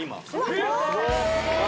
えっ！？